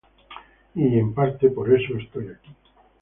Y, en parte, por eso estoy aquí.